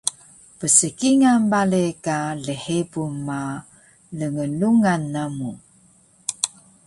Pskingal bale ka lhebun ma lnglungan namu